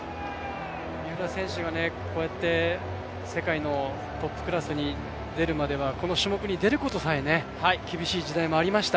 三浦選手がこうやって世界のトップクラスに出るまではこの種目に出ることさえ厳しい時代もありました。